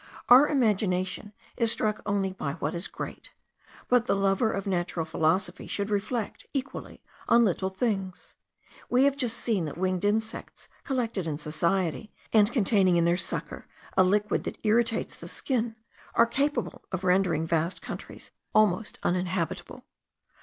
Our imagination is struck only by what is great; but the lover of natural philosophy should reflect equally on little things. We have just seen that winged insects, collected in society, and concealing in their sucker a liquid that irritates the skin, are capable of rendering vast countries almost uninhabitable.